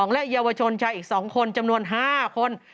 และเยาวชนชายอีก๒คนจำนวน๕คน